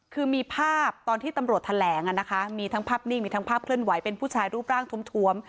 คือมีภาพตอนที่ตำรวจแถลงมีทั้งภาพนิ่งมีทั้งภาพเคลื่อนไหวเป็นผู้ชายรูปร่างทวม